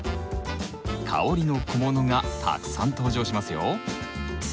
香りの小物がたくさん登場しますよ！